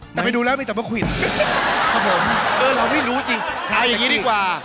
แต่ไปดูแล้วมีแต่ประควินครับผมเออเราไม่รู้จริงเอาอย่างนี้ดีกว่า